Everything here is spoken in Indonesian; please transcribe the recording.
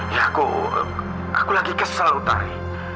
ya aku aku lagi kesel utari